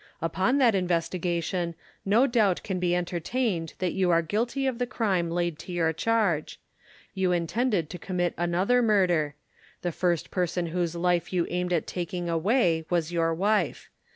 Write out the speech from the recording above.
Upon that investigation no doubt can be entertained that you are guilty of the crime laid to your charge. You intended to commit another murder; the first person whose life you aimed at taking away was your wife.